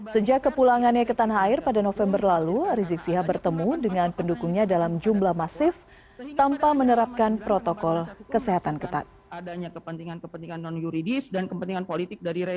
sejak kepulangannya ke tanah air pada november lalu rizik sihab bertemu dengan pendukungnya dalam jumlah masif tanpa menerapkan protokol kesehatan ketat